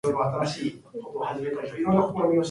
In the monastery he worked at the iron forge and as a baker.